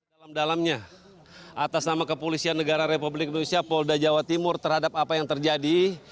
dalam dalamnya atas nama kepolisian negara republik indonesia polda jawa timur terhadap apa yang terjadi